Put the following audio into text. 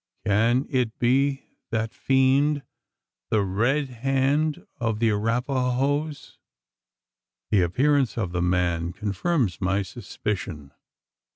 Can it be that fiend the Red Hand of the Arapahoes? The appearance of the man confirms my suspicion.